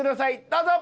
どうぞ！